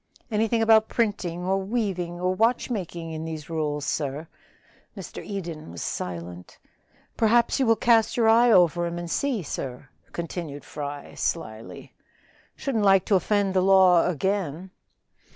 "Anything about printing, or weaving, or watchmaking in these rules, sir?" Mr. Eden was silent. "Perhaps you will cast your eye over 'em and see, sir," continued Fry slyly. "Shouldn't like to offend the law again."